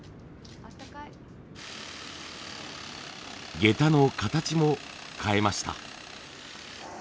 下駄の形も変えました。